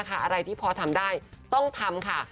อะไรที่พอทำได้ต้องทำค่ะ